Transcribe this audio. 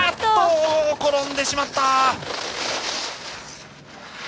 転んでしまった！